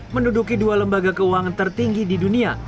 menduduki dua lembaga keuangan tertinggi di dunia